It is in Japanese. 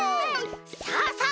さあさあ